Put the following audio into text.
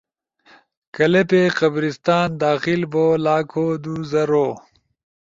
کلپ قبرستان، داخل بو، لاکھو دو زرو